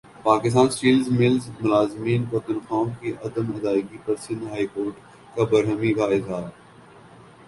Pakistan steels ملزملازمین کو تنخواہوں کی عدم ادائیگی پرسندھ ہائی کورٹ کا برہمی کااظہار